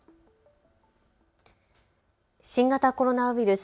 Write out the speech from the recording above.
新型コロナウイルス。